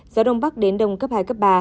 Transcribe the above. gió đông bắc đến đông cấp hai cấp ba